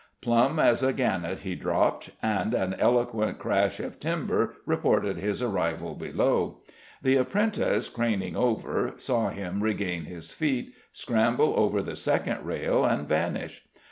Plumb as a gannet he dropped, and an eloquent crash of timber reported his arrival below. The apprentice, craning over, saw him regain his feet, scramble over the second rail, and vanish.